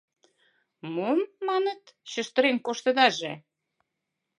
— Мом, маныт, чыштырен коштыдаже!